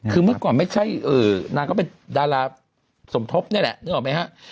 คือเมื่อก่อนไม่ใช่นางก็เป็นดาราสมทบนี่แหละนึกออกไหมฮะ